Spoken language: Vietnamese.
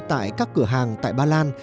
tại các cửa hàng tại bà lan